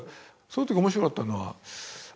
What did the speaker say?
その時面白かったのは